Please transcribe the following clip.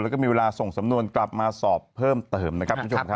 แล้วก็มีเวลาส่งสำนวนกลับมาสอบเพิ่มเติมนะครับ